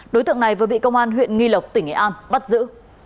đối tượng này vừa bị công an huyện nghi lộc tỉnh nghệ an bắt giữ